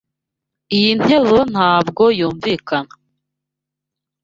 Iyi nteruro ntabwo yumvikana.